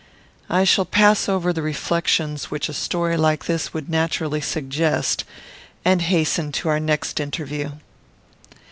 I shall pass over the reflections which a story like this would naturally suggest, and hasten to our next interview.